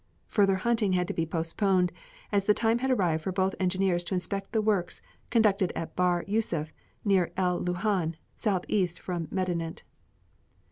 Further hunting had to be postponed as the time had arrived for both engineers to inspect the works conducted at Bahr Yûsuf near El Lahûn, southeast from Medinet.